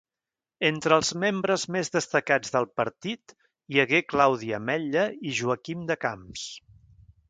Entre els membres més destacats del partit hi hagué Claudi Ametlla i Joaquim de Camps.